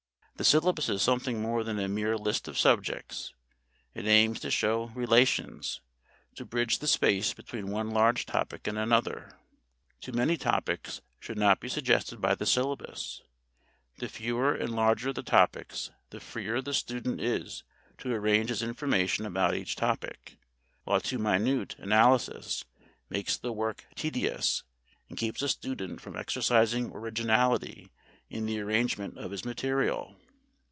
The syllabus is something more than a mere list of subjects; it aims to show relations, to bridge the space between one large topic and another. Too many topics should not be suggested by the syllabus; the fewer and larger the topics the freer the student is to arrange his information about each topic; while too minute analysis makes the work tedious and keeps a student from exercising originality in the arrangement of his material.